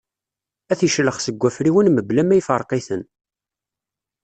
Ad t-iclex seg wafriwen mebla ma iferq-iten.